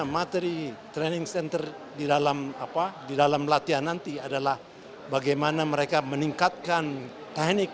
materi training center di dalam latihan nanti adalah bagaimana mereka meningkatkan teknik